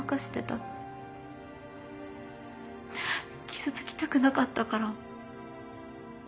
ううっ傷つきたくなかったから。